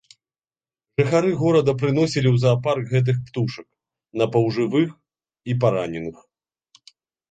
Жыхары горада прыносілі ў заапарк гэтых птушак, напаўжывых і параненых.